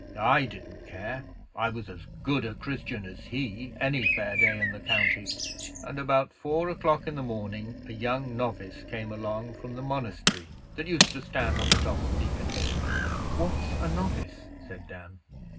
I didn't care! I was as good a Christian as he any fair day in the County, and about four o'clock in the morning a young novice came along from the monastery that used to stand on the top of Beacon Hill.' 'What's a novice?' said Dan.